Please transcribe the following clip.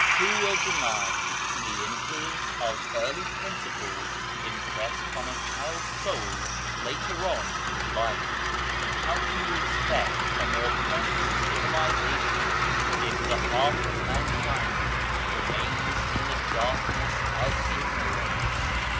Who will deny the influence of early principles impressed on a child's soul later on in life ? How can we expect a more THE BAITU'L 'ADL 137 perfect civilisation if the half of mankind remains in the darkness of ignorance